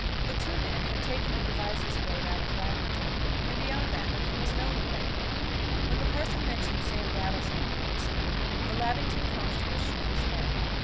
The two men had taken the Devizes road out of Lavington, and beyond that nothing was known of them. When the parson mentioned Sam Brattle's name in a whisper, the Lavington constable shook his head.